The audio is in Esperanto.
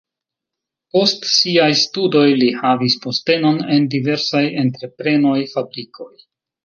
Post siaj studoj li havis postenon en diversaj entreprenoj, fabrikoj.